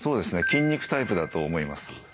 筋肉タイプだと思います。